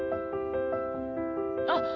あっ。